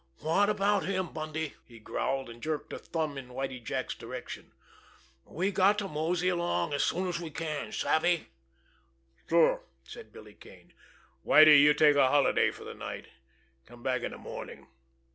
"What about him, Bundy?" he growled, and jerked a thumb in Whitie Jack's direction. "We got to mosey along as soon as we can. Savvy?" "Sure!" said Billy Kane. "Whitie, you take a holiday for the night. Come back in the morning.